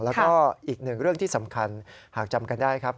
แล้วก็อีกหนึ่งเรื่องที่สำคัญหากจำกันได้ครับ